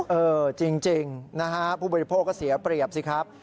เออจริงนะฮะผู้บริโภคก็เสียเปรียบสิครับ